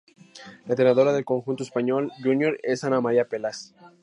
La entrenadora del conjunto español júnior es Ana María Pelaz.